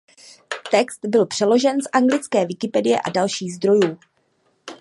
Text byl přeložen z anglické Wikipedie a dalších zdrojů.